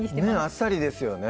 あっさりですよね